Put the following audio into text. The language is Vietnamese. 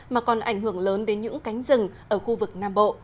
mà còn ảnh hưởng lớn đến những cánh rừng ở khu vực nam bộ